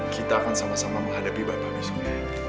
kita akan sama sama menghadapi bapak besok